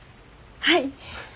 はい！